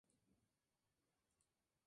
Estudió en una pequeña escuela rural.